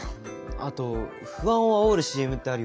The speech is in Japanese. あと不安をあおるＣＭってあるよね。